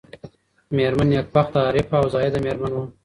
مېرمن نېکبخته عارفه او زاهده مېرمن وه.